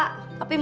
tapi mesti bang